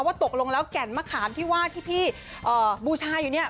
ตกลงแล้วแก่นมะขามที่ว่าที่พี่บูชาอยู่เนี่ย